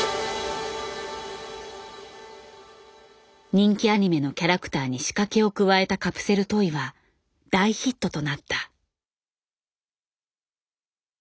人気アニメのキャラクターに仕掛けを加えたカプセルトイは大ヒットとなった。